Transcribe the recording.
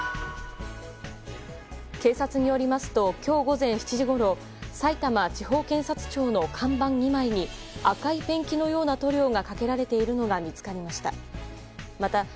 警察によりますと今日午前７時ごろさいたま地方検察庁の看板２枚に赤いペンキのような塗料がかけられているのが見つかりました。